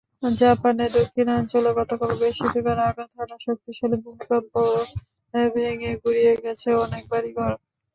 জাপানের দক্ষিণাঞ্চলে গতকাল বৃহস্পতিবার আঘাত হানা শক্তিশালী ভূমিকম্পে ভেঙে গুঁড়িয়ে গেছে অনেক বাড়িঘর।